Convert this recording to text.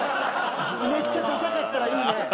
めっちゃダサかったらいいね。